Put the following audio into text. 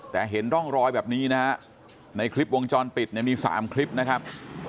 แต่เห็นร่องรอยแบบนี้นะฮะในคลิปวงจรปิดเนี่ยมี๓คลิปนะครับ